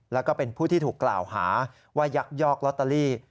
แล้วก็เป็นผู้ที่ถูกกล่าวหาว่ายักยอกลอตเตอรี่